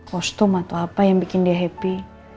kostum atau apa yang bikin dia happy